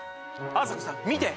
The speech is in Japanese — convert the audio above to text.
あさこさん見て！